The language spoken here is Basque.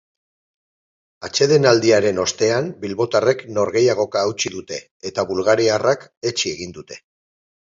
Atsedenaldiaren ostean bilbotarrek norgehiagoka hautsi dute eta bulgariarrak etsi egin dute.